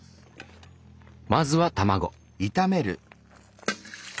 まずは卵。